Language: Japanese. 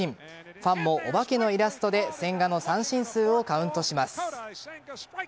ファンもお化けのイラストで千賀の三振数をカウントします。